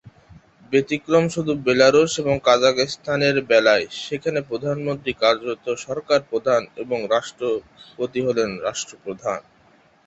ব্যতিক্রম শুধু বেলারুশ এবং কাজাখস্তান এর বেলায়, সেখানে প্রধানমন্ত্রী কার্যত সরকার প্রধান এবং রাষ্ট্রপতি হলেন রাষ্ট্র প্রধান।